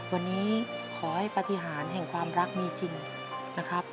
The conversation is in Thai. วันนี้ขอให้ปฏิหารแห่งความรักมีจริงนะครับ